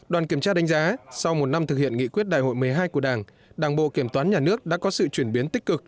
đoàn kiểm tra đánh giá sau một năm thực hiện nghị quyết đại hội một mươi hai của đảng đảng bộ kiểm toán nhà nước đã có sự chuyển biến tích cực